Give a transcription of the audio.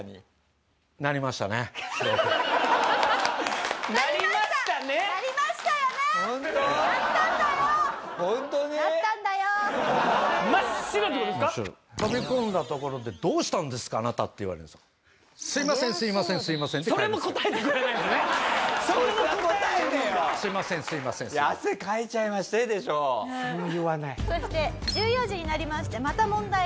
そして１４時になりましてまた問題が発生しました。